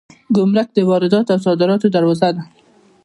ګمرک د وارداتو او صادراتو دروازه ده